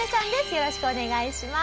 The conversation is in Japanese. よろしくお願いします。